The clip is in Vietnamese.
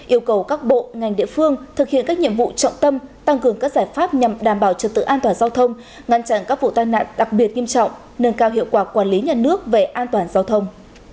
yêu cầu các bộ ngành địa phương thực hiện các nhiệm vụ trọng tâm tăng cường các giải pháp nhằm đảm bảo trật tự an toàn giao thông ngăn chặn các vụ tai nạn đặc biệt nghiêm trọng nâng cao hiệu quả quản lý nhà nước về an toàn giao thông